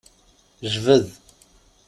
Jbed!